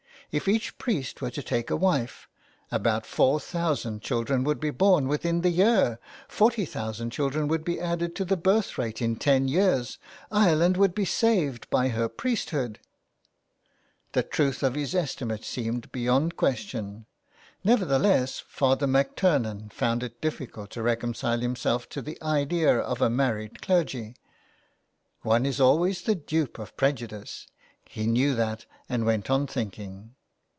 If each priest were to take a wife about four thousand chil dren would be born within the year, forty thousand children would be added to the birth rate in ten years Ireland would be saved by her priesthood !" The truth of this estimate seemed beyond question, nevertheless, Father MacTurnan found it difficult to reconcile himself to the idea of a married clergy. One is always the dupe of prejudice. He knew that and went on thinking.